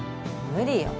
無理よ。